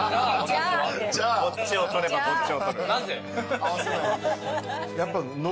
こっちを取ればこっちを取る。